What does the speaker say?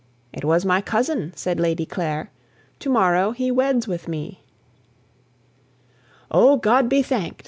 "It was my cousin," said Lady Clare; "To morrow he weds with me." "O God be thank'd!"